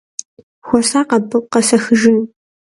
Хуэсакъ абы, къэсэхыжын!